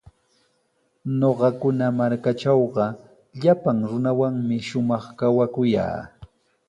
Ñuqakuna markaatrawqa llapan runawanmi shumaq kawakuyaa.